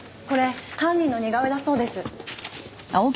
これ犯人の似顔絵だそうです。